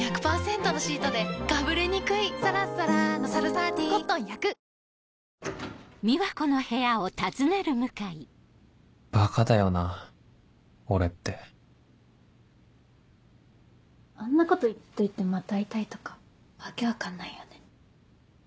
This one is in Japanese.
ＢＥＴＨＥＣＨＡＮＧＥ 三井不動産バカだよな俺ってあんなこと言っといてまた会いたいとか訳分かんないよね。